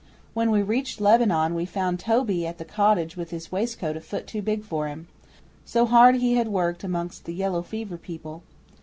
When we reached Lebanon we found Toby at the cottage with his waistcoat a foot too big for him so hard he had worked amongst the yellow fever people.